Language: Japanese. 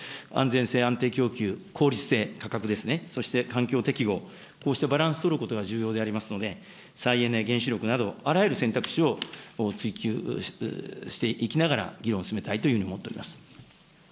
いずれにしても安全性、安定供給、効率性、価格ですね、そして環境適合、こうしたバランスを取ることが重要でありますので、再エネ、原子力など、あらゆる選択肢を追求していきながら議論を進めたいというふうに思っております。